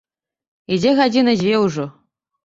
Ідзе гадзіны дзве ўжо.